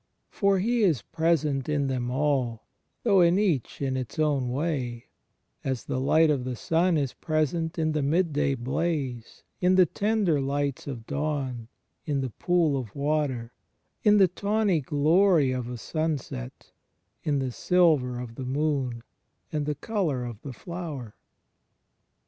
For He is present in them all, though in each in its own way, as the light of the sun is present in the midday blaze, in the tender lights of dawn, in the pool of water, in the tawny glory of a sunset, in the silver of the moon and the colour of the flower.